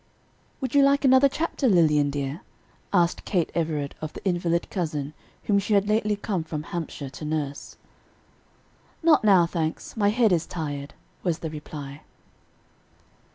"Would you like another chapter, Lilian dear?" asked Kate Everard of the invalid cousin whom she had lately come from Hampshire to nurse. "Not now, thanks; my head is tired," was the reply.